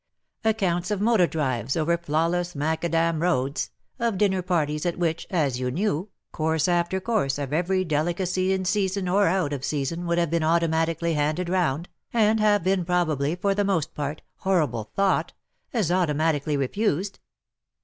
Accounts of motor drives over flaw less macadam roads ! of dinner parties at which, as you knew, course after course of every delicacy in season or out of season would have been automatically handed round, and have been probably for the most part — horrible thought — as automatically refused